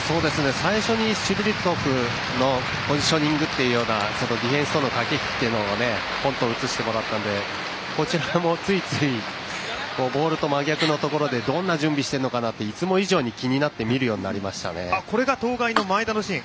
最初に、シュヴィルツォクのポジショニングというようなディフェンスとの駆け引きを映してもらったのでこちらも、ついついボールと真逆のところでどんな準備してるのかなっていつも以上に気になってこれが当該の前田のシーン。